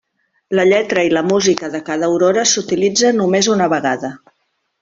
La lletra i la música de cada aurora s'utilitza només una vegada.